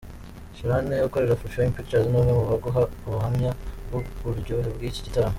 Shane ukorera Afrifame Pictures ni umwe mu baguha ubuhamya bw'uburyohe bw'iki gitaramo.